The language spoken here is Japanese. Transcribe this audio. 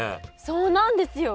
そうなんですよ！